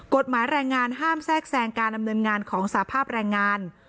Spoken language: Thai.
กฎหมายแรงงานห้ามแทรกแซงการดำเนินงานของสภาพแรงงาน